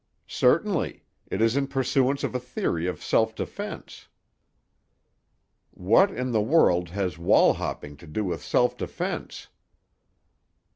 "Certainly. It is in pursuance of a theory of self defense." "What in the world has wall hopping to do with self defense?"